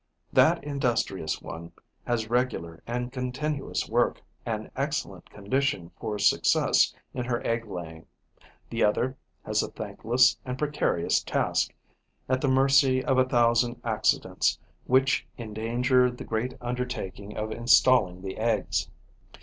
That industrious one has regular and continuous work, an excellent condition for success in her egg laying; the other has a thankless and precarious task, at the mercy of a thousand accidents which endanger the great undertaking of installing the eggs.